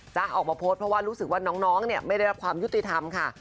ออกมาโพสต์เพราะว่ารู้สึกว่าน้องไม่ได้รับความยุติธรรมค่ะ